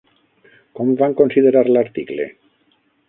Com van considerar l'article?